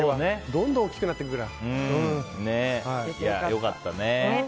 どんどん大きくなってくるから。